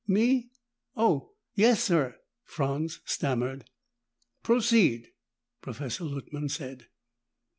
"Me? Oh! Yes, sir," Franz stammered. "Proceed," Professor Luttman said.